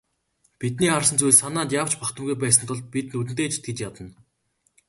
Бидний харсан зүйл санаанд яавч багтамгүй байсан тул бид нүдэндээ ч итгэж ядна.